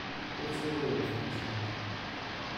Ur ttagadeɣ tamettant.